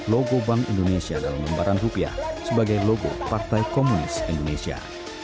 logo bank indonesia dalam lembaran rupiah sebagai logo partai komunis indonesia